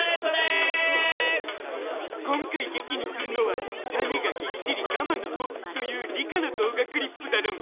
今回劇にするのは「種がぎっしりガマの穂」という理科の動画クリップだろん！